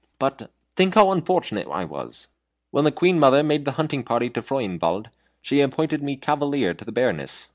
But, think how unfortunate I was! When the Queen mother made the hunting party to Freudenwald, she appointed me cavalier to the Baroness.